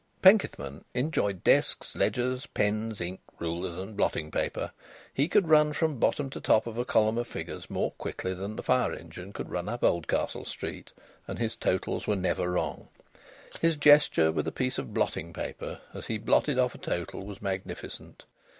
Penkethman enjoyed desks, ledgers, pens, ink, rulers, and blotting paper. He could run from bottom to top of a column of figures more quickly than the fire engine could run up Oldcastle Street; and his totals were never wrong. His gesture with a piece of blotting paper as he blotted off a total was magnificent.